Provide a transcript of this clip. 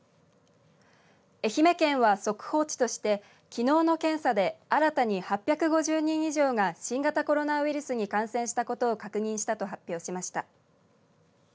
愛媛県は、速報値としてきのうの検査で新たに８５０人以上が新型コロナウイルスに感染したことを確認したと発表しました。